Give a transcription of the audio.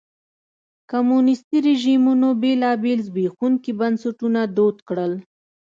کمونیستي رژیمونو بېلابېل زبېښونکي بنسټونه دود کړل.